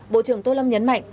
bộ trưởng tô lâm nhấn mạnh